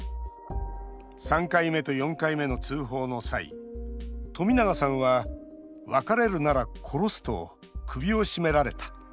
３回目と４回目の通報の際冨永さんは「別れるなら殺すと首を絞められた」。